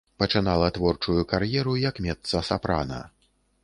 Пачынала творчую кар'еру як мецца-сапрана.